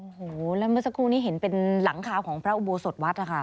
โอ้โหแล้วเมื่อสักครู่นี้เห็นเป็นหลังคาของพระอุโบสถวัดนะคะ